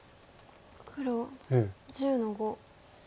黒１０の五。